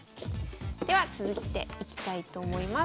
では続いていきたいと思います。